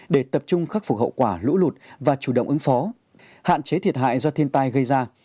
để tập trung khắc phục hậu quả lũ lụt và chủ động ứng phó hạn chế thiệt hại do thiên tai gây ra